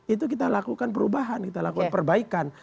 itu kita lakukan perubahan kita lakukan perbaikan